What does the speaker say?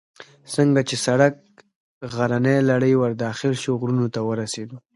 څنګه چې سړک غرنۍ لړۍ ته ور داخل شو، غرونو ته ورسېدو.